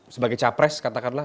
sebagai capres katakanlah